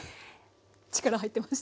力入ってました。